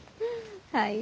はい。